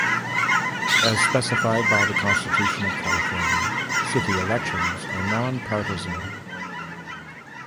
As specified by the Constitution of California, city elections are non-partisan.